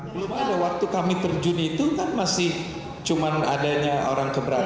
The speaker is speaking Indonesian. belum ada waktu kami terjun itu kan masih cuma adanya orang keberatan